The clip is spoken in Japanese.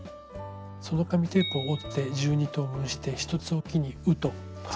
その紙テープを折って１２等分して１つおきに「う」とつけてきます。